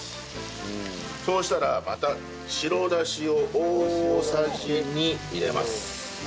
そうしたらまた白だしを大さじ２入れます。